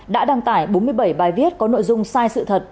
đã đăng tải bốn mươi bảy bài viết có nội dung sai sự thật